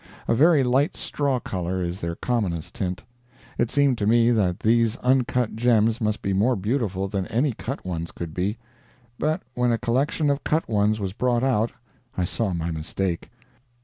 A very light straw color is their commonest tint. It seemed to me that these uncut gems must be more beautiful than any cut ones could be; but when a collection of cut ones was brought out, I saw my mistake.